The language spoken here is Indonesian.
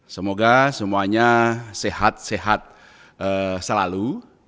semoga semuanya sehat sehat selalu